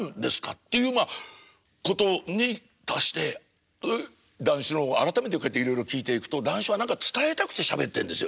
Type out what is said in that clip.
っていうまあことに達して談志のを改めていろいろ聴いていくと談志は何か伝えたくてしゃべってんですよね。